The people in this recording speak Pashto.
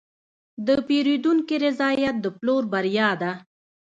د پیرودونکي رضایت د پلور بریا ده.